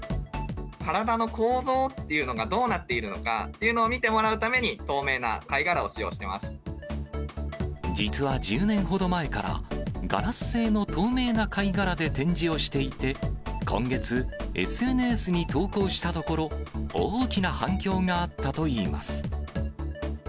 体の構造っていうのがどうなっているのかっていうのを見てもらうために、透明な貝殻を使用し実は１０年ほど前から、ガラス製の透明な貝殻で展示をしていて、今月、ＳＮＳに投稿したところ、大きな反響があったといいます。